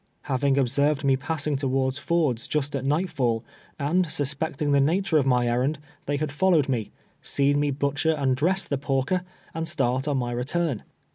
Having observed mc passing towards Ford's just at night fall, and suspecting the nature of my errand, they had followed me, seen me butcher and di ess the porker, and start on my return.